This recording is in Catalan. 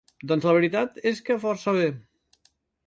Doncs la veritat és que força bé.